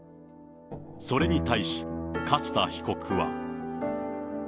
それに対し、勝田被告は。